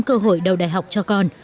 cơ hội đầu đại học cho con